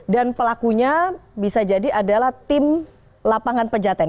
dan pelakunya bisa jadi adalah tim lapangan pejaten